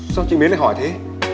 sao chị mến lại hỏi thế